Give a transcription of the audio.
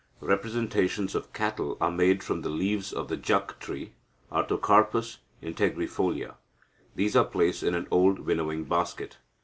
Representations of cattle are made from the leaves of the jak tree (Artocarpus integrifolia). These are placed in an old winnowing basket.